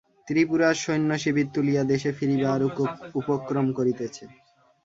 ত্রিপুরার সৈন্য শিবির তুলিয়া দেশে ফিরিবার উপক্রম করিতেছে।